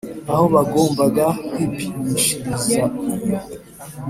. Aho bagombaga kwipimishiriza iyo